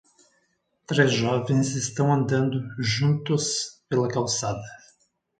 Três jovens estão andando juntos pela calçada.